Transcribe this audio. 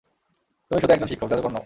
তুমি শুধু একজন শিক্ষক, জাদুকর নও।